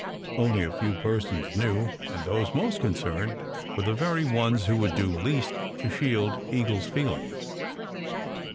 Only a few persons knew, and those most concerned were the very ones who would do least to shield Eagle s feel ings.